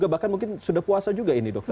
bahkan mungkin sudah puasa juga ini dokter